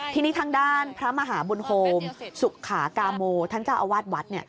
ทีนี้ทางด้านพระมหาบุญโฮมสุขากาโมท่านเจ้าอาวาสวัด